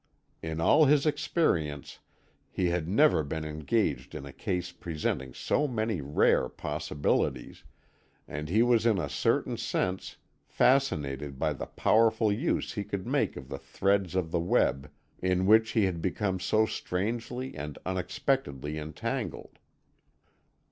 In all his experience he had never been engaged in a case presenting so many rare possibilities, and he was in a certain sense fascinated by the powerful use he could make of the threads of the web in which he had become so strangely and unexpectedly entangled.